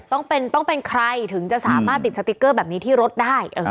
ต้องเป็นใครถึงจะสามารถติดสติ๊กเกอร์แบบนี้ที่รถได้